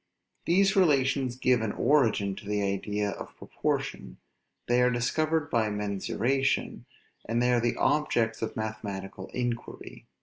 These relations give an origin to the idea of proportion. They are discovered by mensuration, and they are the objects of mathematical inquiry.